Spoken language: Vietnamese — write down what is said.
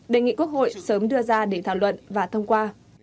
đề nghị quốc hội sớm đưa ra để thảo luận và thông qua